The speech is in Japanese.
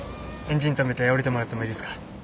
エンジン止めて降りてもらってもいいですか？